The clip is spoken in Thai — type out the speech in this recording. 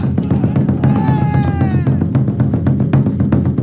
โชว์เค็นโด